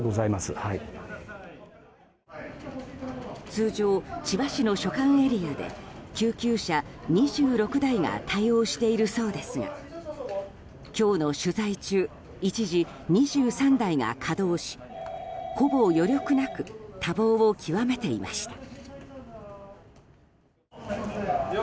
通常、千葉市の所管エリアで救急車２６台が対応しているそうですが今日の取材中一時２３台が稼働しほぼ余力なく多忙を極めていました。